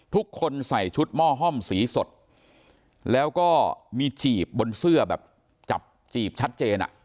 ทุกคนใส่ชุดหม้อห้อมสีสดแล้วก็มีจีบบนเสื้อแบบจับจีบชัดเจนอ่ะ